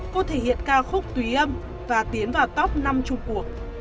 cô thể hiện ca khúc tùy âm và tiến vào cóp năm chung cuộc